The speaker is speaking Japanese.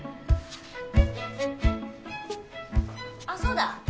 あっそうだ！